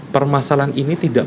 permasalahan ini tidak